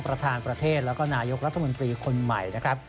ประธานประเทศแล้วก็นายกรัฐมนตรีคนใหม่นะครับ